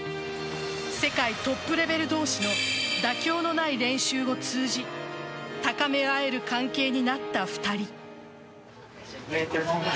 世界トップレベル同士の妥協のない練習を通じ高め合える関係になった２人。